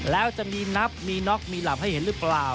แล้วจะมีนับมีน็อกมีหลับให้เห็นหรือเปล่า